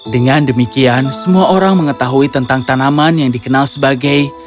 dengan demikian semua orang mengetahui tentang tanaman yang dikenal sebagai